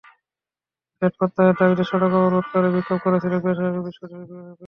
VAT প্রত্যাহারের দাবিতে সড়ক অবরোধ করে বিক্ষোভ করছিলেন বেসরকারি বিশ্ববিদ্যালয়ের শিক্ষার্থীরা।